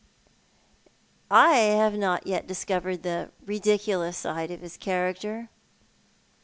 " I have not yet discovered the ridiculous side of his character."